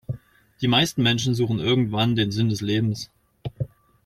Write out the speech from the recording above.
Die meisten Menschen suchen irgendwann den Sinn des Lebens.